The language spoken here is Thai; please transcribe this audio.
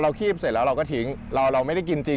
คีบเสร็จแล้วเราก็ทิ้งเราไม่ได้กินจริง